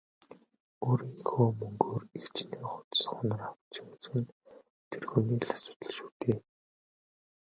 Өөрийнхөө мөнгөөр хэчнээн хувцас хунар авч өмсөх нь тэр хүний л асуудал шүү дээ.